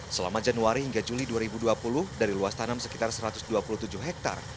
selama januari hingga juli dua ribu dua puluh dari luas tanam sekitar satu ratus dua puluh tujuh hektare